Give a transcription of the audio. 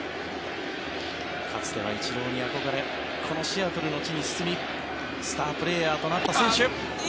かつてはイチローに憧れこのシアトルの地に住みスタープレーヤーとなった選手。